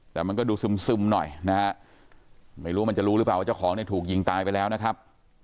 แต่มันก็ดูซึมหน่อยนะฮะไม่รู้ว่ามันจะรู้หรือเปล่าว่าเจ้าของเนี่ยถูกยิงตายไปแล้วนะครับ